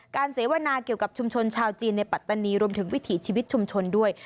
เสวนาเกี่ยวกับชุมชนชาวจีนในปัตตานีรวมถึงวิถีชีวิตชุมชนด้วย